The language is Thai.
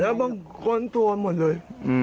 แล้วบางคนตัวหมดเลย